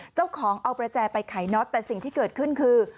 เจ้าของเอาประแจไปขายน็อตแต่สิ่งที่เกิดขึ้นคือ